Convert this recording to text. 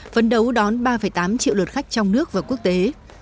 phấn đấu đón ba tám triệu lượt khách trong nước và quốc tế